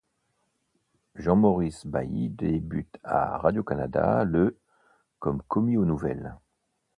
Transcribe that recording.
Jean-Maurice Bailly débute à Radio-Canada le comme commis aux nouvelles.